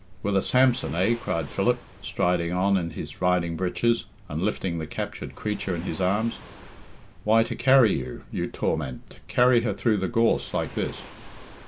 "With a Samson, eh?" cried Philip, striding on in his riding breeches, and lifting the captured creature in his arms. "Why, to carry her, you torment, to carry her through the gorse like this."